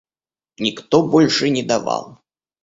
Никто больше не давал.